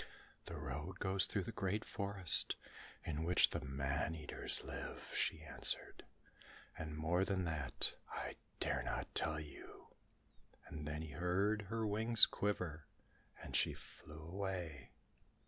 "The road goes through the great forest, in which the man eaters live," she answered, "and more than that, I dare not tell you." And then he heard her wings quiver, as she flew away.